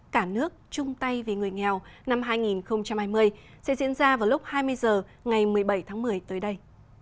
cả nước chung tay vì người nghèo năm hai nghìn hai mươi sẽ diễn ra vào lúc hai mươi h ngày một mươi bảy tháng một mươi tới đây